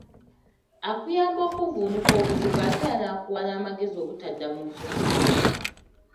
Akuyamba okuvvuunuka obuzibu ate era nakuwa n’amagezi obutadda mu nsobi yeemu.